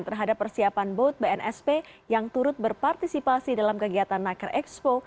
terhadap persiapan boat bnsp yang turut berpartisipasi dalam kegiatan naker expo